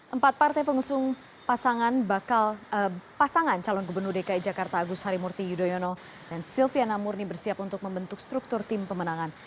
empat partai pengusung pasangan calon gubernur dki jakarta agus harimurti yudhoyono dan silviana murni bersiap untuk membentuk struktur tim pemenangan